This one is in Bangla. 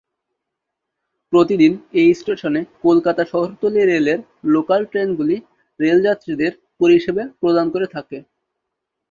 প্রতিদিন এই স্টেশনে কলকাতা শহরতলি রেলের লোকাল ট্রেনগুলি রেল যাত্রীদের পরিষেবা প্রদান করে থাকে।